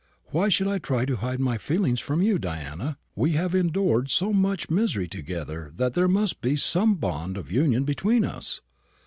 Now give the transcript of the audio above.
Why should I try to hide my feelings from you, Diana? We have endured so much misery together that there must be some bond of union between us.